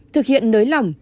thực hiện nới lỏng